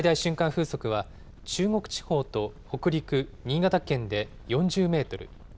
風速は中国地方と北陸、新潟県で４０メートル